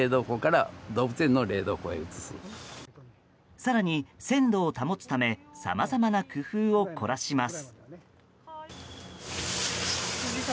更に、鮮度を保つためさまざまな工夫を凝らします。